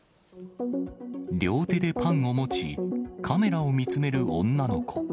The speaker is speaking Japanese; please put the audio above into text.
両手でパンを持ち、カメラを見つめる女の子。